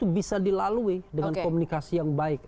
bisa dilalui dengan komunikasi yang baik